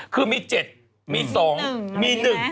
คือมี๗มี๒มี๑